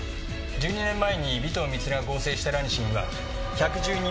１２年前に尾藤充が合成したラニシンは１１２ミリグラム。